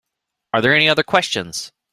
Are there any other questions?